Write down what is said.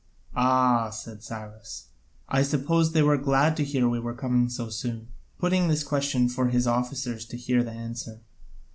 "Ah," said Cyrus, "I suppose they were glad to hear we were coming so soon?" (putting this question for his officers to hear the answer).